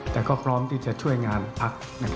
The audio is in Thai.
แต่ก็พร้อมที่จะช่วยงานพัก